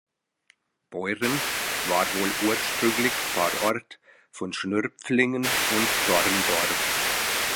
Beuren war wohl ursprünglich Pfarrort von Schnürpflingen und Dorndorf.